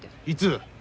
いつ？